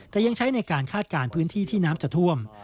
แต่ยังใช้ในการคาดการณ์พื้นที่ที่น้ำจะท่วม